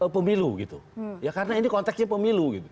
pemilu karena ini konteksnya pemilu